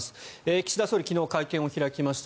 岸田総理昨日、会見を開きました。